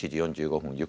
１１時４５分